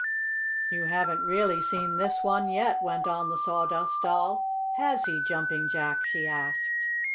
"You haven't really seen this one yet," went on the Sawdust Doll. "Has he, Jumping Jack?" she asked.